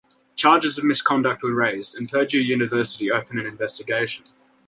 Charges of misconduct were raised, and Purdue University opened an investigation.